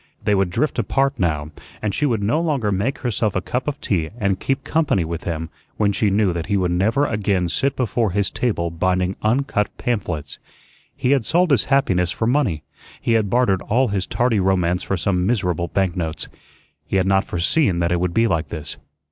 They would drift apart now, and she would no longer make herself a cup of tea and "keep company" with him when she knew that he would never again sit before his table binding uncut pamphlets. He had sold his happiness for money; he had bartered all his tardy romance for some miserable banknotes. He had not foreseen that it would be like this.